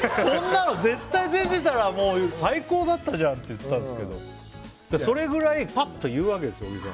そんなの絶対出ていたら最高だったじゃんって言ったんですがそれぐらいぱっと言うんです。